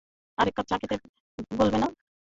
আরেক কাপ চা খেতে বলবে না?